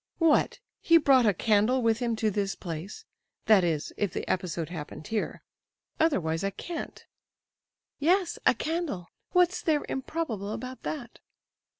"What! he brought a candle with him to this place? That is, if the episode happened here; otherwise I can't." "Yes, a candle! What's there improbable about that?"